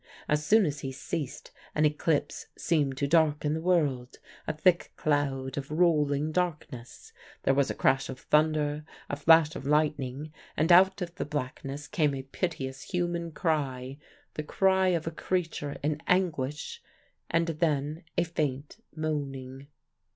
As soon as he ceased an eclipse seemed to darken the world, a thick cloud of rolling darkness; there was a crash of thunder, a flash of lightning, and out of the blackness came a piteous, human cry, the cry of a creature in anguish, and then a faint moaning.